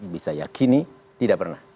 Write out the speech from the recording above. bisa yakini tidak pernah